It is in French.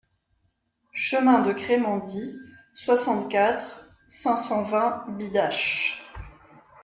Chemin de Crémendy, soixante-quatre, cinq cent vingt Bidache